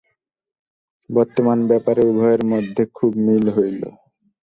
বর্তমান ব্যাপারে উভয়ের মধ্যে খুব মিল হইল।